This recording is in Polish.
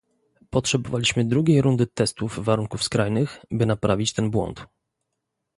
Potrzebowaliśmy drugiej rundy testów warunków skrajnych, by naprawić ten błąd